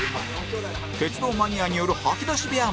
鉄道マニアによる吐き出し部屋も